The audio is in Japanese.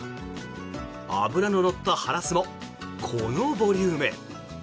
脂の乗ったハラスもこのボリューム。